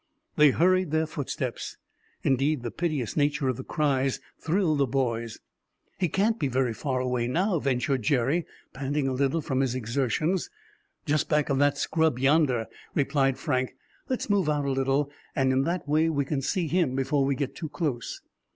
They hurried their footsteps. Indeed, the piteous nature of the cries thrilled the boys. "He can't be very far away now," ventured Jerry, panting a little from his exertions. "Just back of that scrub yonder," replied Frank. "Let's move out a little, and in that way we can see him before we get too close."